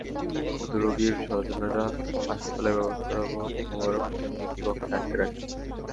ক্ষুব্ধ রোগীর স্বজনেরা হাসপাতালের ব্যবস্থাপক মোবারক হোসেনকে একটি কক্ষে আটকে রাখেন।